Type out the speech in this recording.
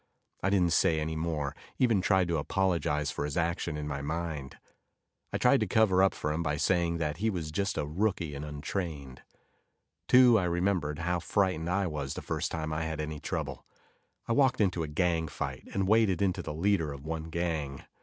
I didn't say any more, even tried to apologize for his action in my mind. 1 tried to cover up for him by saying that he was just a rookie and untrained. Too, I remembered how frightened I was the first time I had any trouble. I walked into a gang fight and waded into the leader of one gang.